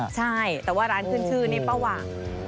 ใช่แต่ว่าร้านขึ้นชื่อนี่ป้าหว่าง